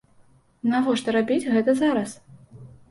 Навошта рабіць гэта зараз?